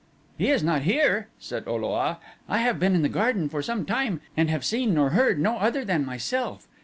"He is not here," said O lo a. "I have been in the garden for some time and have seen nor heard no other than myself.